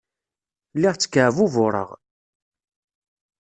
Lliɣ ttkeɛbubureɣ.